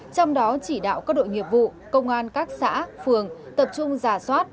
trong đó chỉ đạo các đội nghiệp vụ công an các xã phường tập trung giả soát